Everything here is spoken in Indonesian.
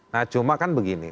nah cuma kan begini